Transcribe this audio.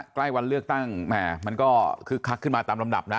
ใกล้วันเลือกตั้งแหม่มันก็คึกคักขึ้นมาตามลำดับนะ